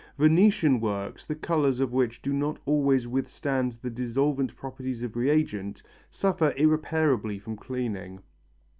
Venetian works, the colours of which do not always withstand the dissolvent properties of reagents, suffer irreparably from cleaning.